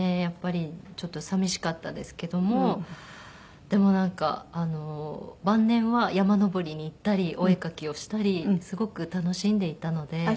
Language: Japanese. やっぱりちょっと寂しかったですけどもでも晩年は山登りに行ったりお絵描きをしたりすごく楽しんでいたので。